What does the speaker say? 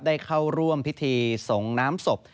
ได้เข้าร่วมพิธีส่งน้ำศพ